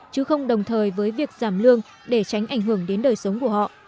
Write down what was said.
chứ không đồng thời với việc giảm lương để tránh ảnh hưởng đến đời sống của họ